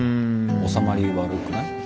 収まり悪くない？